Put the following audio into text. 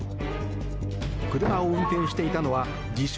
車を運転していたのは自称